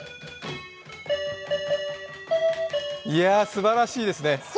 すばらしいですね。